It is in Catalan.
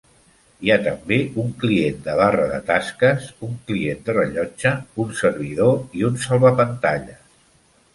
Hi ha també un client de barra de tasques, un client de rellotge, un servidor i un salvapantalles.